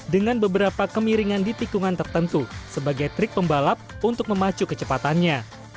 dengan beberapa kemiringan di tikungan tertentu sebagai trik pembalap untuk memacu kecepatannya